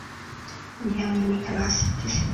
本片为尼可拉斯的第四部长片。